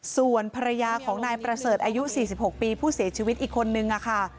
ส่วนภรรยาของนายประเสริฐอายุ๔๖ปีผู้เสียชีวิตอีกคนนึงค่ะ